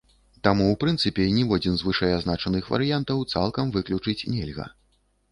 Таму ў прынцыпе ніводзін з вышэй азначаных варыянтаў цалкам выключыць нельга.